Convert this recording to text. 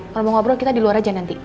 kalau mau ngobrol kita di luar aja nanti